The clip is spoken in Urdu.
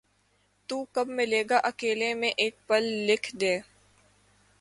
تو کب ملے گا اکیلے میں ایک پل لکھ دے